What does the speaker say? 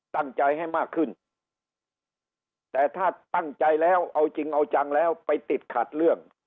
ตั้งใจให้มากขึ้นแต่ถ้าตั้งใจแล้วเอาจริงเอาจังแล้วไปติดขัดเรื่อง